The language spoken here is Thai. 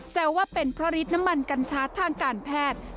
ก็ว่าเป็นพริษน้ำมันกันชาร์จทางการแพทย์